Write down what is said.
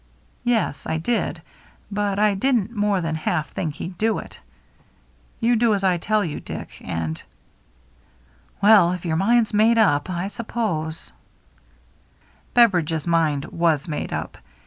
" Yes, I did. But I didn't more than half think he'd do it. You do as I tell you, Dick, and —" WHISKEY JIM 367 "Well, if your mind's made up, I sup pose —" Beveridge's mind was made up.